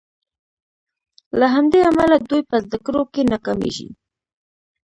له همدې امله دوی په زدکړو کې ناکامیږي.